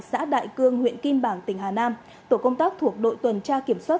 xã đại cương huyện kim bảng tỉnh hà nam tổ công tác thuộc đội tuần tra kiểm soát